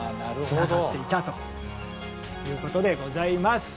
つながっていたということでございます。